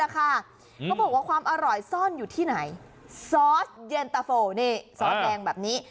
เขาบอกว่าความอร่อยซ่อนอยู่ที่ไหนซอสเย็นตะโฟนี่ซอสแดงแบบนี้